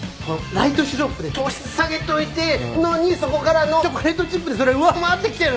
ライトシロップで糖質下げておいてんのにそこからのチョコレートチップでそれ上回ってきてる。